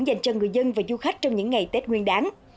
dành cho người dân và du khách trong những ngày tết nguyên đáng